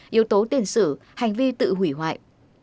yếu tố tiền sử hành vi tự hủy hoại